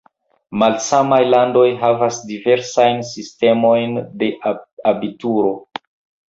Malsamaj landoj havas diversajn sistemojn de abituro.